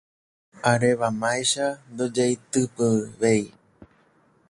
arémavaicha ndojeitypeivéi